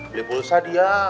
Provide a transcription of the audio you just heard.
beli pulsa dia